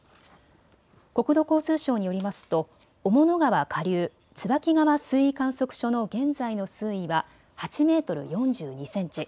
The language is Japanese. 国土交通省によりますと雄物川下流、椿川水位観測所の現在の水位は８メートル４２センチ。